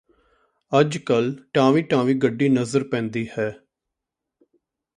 ਅੱਜ ਕੱਲ ਟਾਵੀਂ ਟਾਵੀਂ ਗੱਡੀ ਨਜ਼ਰ ਪੈਂਦੀ ਹੈ